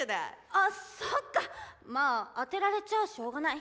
あそっかまあ当てられちゃあしょうがない。